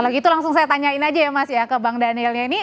kalau gitu langsung saya tanyain aja ya mas ya ke bang danielnya ini